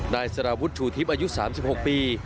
นายสารวุฒิชูทิพย์อายุ๓๖ปี